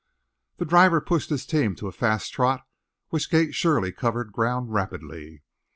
The driver pushed his team to a fast trot, which gait surely covered ground rapidly.